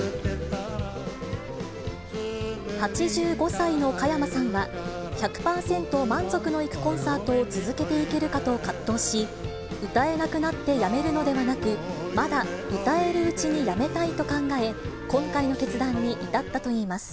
８５歳の加山さんは、１００％満足のいくコンサートを続けていけるかと葛藤し、歌えなくなってやめるのではなく、まだ歌えるうちにやめたいと考え、今回の決断に至ったといいます。